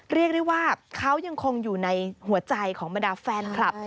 เรียกได้ว่าเขายังคงอยู่ในหัวใจของบรรดาแฟนคลับ